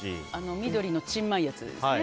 緑のちんまいやつですね。